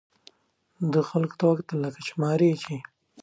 ده خلکو ته وکتل، لکه شماري یې چې.